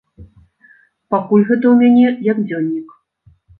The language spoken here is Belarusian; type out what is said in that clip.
Пакуль гэта ў мяне як дзённік.